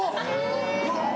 うわ